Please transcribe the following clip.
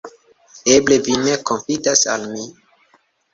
Eble vi ne konfidas al mi?